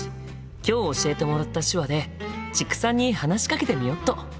今日教えてもらった手話で知久さんに話しかけてみよっと！